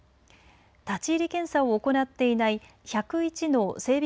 立ち入り検査を行っていない１０１の整備